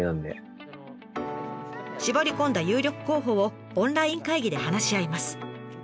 絞り込んだ有力候補をオンライン会議で話し合います。